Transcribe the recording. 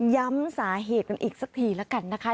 ย้ำสาเหตุกันอีกสักทีนะคะ